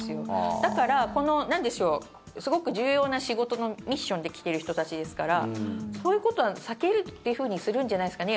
だから、すごく重要な仕事のミッションで来ている人たちですからそういうことは避けるっていうふうにするんじゃないんですかね。